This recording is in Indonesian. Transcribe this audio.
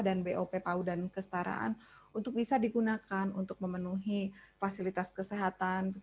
dan bop pau dan kestaraan untuk bisa digunakan untuk memenuhi fasilitas kesehatan